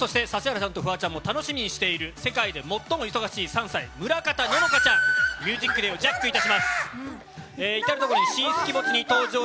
僕はＤＩＳＨ／／がやっぱりどんな方が入ってるのか楽し指原さんとフワちゃんも楽しみにしてる世界で最も忙しい３歳、村方乃々佳ちゃん、『ＭＵＳＩＣＤＡＹ』をジャックいたします。